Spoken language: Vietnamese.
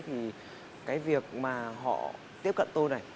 thì cái việc mà họ tiếp cận tôi này